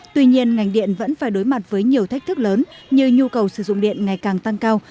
tuy nhiên ngành điện vẫn phải đối mặt với nhiều thách thức lớn như nhu cầu sử dụng điện ngày càng tăng cao